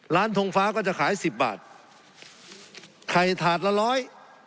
ร้านทงฟ้าก็จะขาย๑๐บาทไข่ถาดละ๑๐๐บาท